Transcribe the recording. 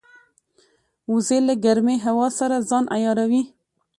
وزې له ګرمې هوا سره ځان عیاروي